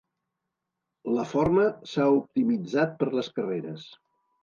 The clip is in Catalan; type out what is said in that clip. La forma s"ha optimitzat per les carreres.